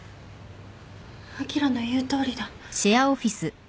あきらの言うとおりだ。